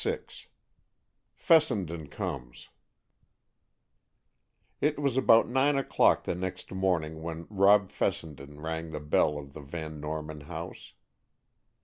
VI FESSENDEN COMES It was about nine o'clock the next morning when Rob Fessenden rang the bell of the Van Norman house.